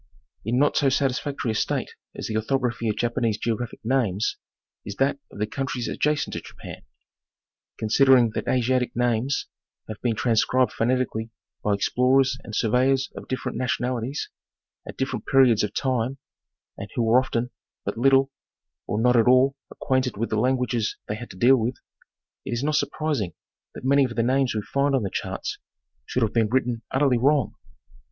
In not so satisfactory a state as the orthography of Japanese geographic names is that of the countries adjacent to Japan. Considering that Asiatic names have been transcribed phoneti eally by explorers and surveyors of different nationalities, at dif ferent periods of time, and who were often but little, or not at all, acquainted with the languages they had to deal with, it is not surprising that many of the names we find on the charts should have been written utterly wrong.